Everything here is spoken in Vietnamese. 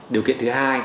điều kiện thứ hai